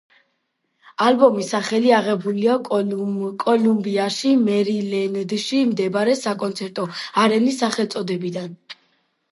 ალბომის სახელი აღებულია კოლუმბიაში, მერილენდში მდებარე საკონცერტო არენის სახელწოდებიდან.